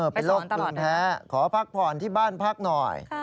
ไปสอนตลอดเลยโรคภูมิแพ้ขอพักผ่อนที่บ้านพักหน่อย